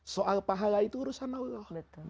soal pahala itu urusan allah